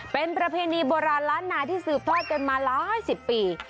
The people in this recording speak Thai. เป็นประเพณีโบราณล้านนาที่สืบทอดกันมาหลายสิบปี